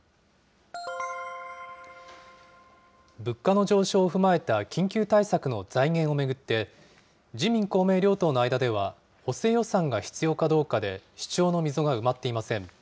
物価の上昇を踏まえた緊急対策の財源を巡って、自民、公明両党の間では、補正予算が必要かどうかで、主張の溝が埋まっていません。